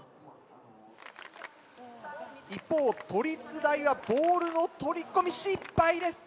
一方都立大はボールを取り込み失敗です。